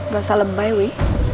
gak usah lembay wi